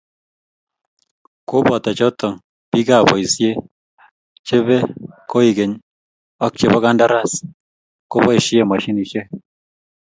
Koboto choto biikab boisie che be koikenye ak che bo kandaras koboisie moshinishe.